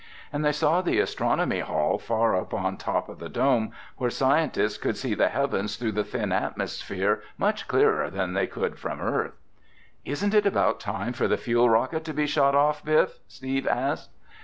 And they saw the astronomy hall far up on top of the dome where scientists could see the heavens through the thin atmosphere much clearer than they could from Earth. "Isn't it about time for the fuel rocket to be shot off, Biff?" Steve asked.